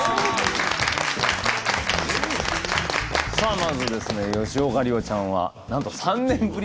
まずですね吉岡里帆ちゃんはなんと３年ぶり。